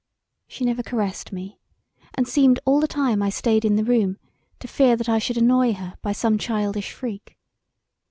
She never caressed me, and seemed all the time I staid in the room to fear that I should annoy her by some childish freak.